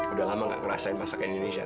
udah lama gak ngerasain masak indonesia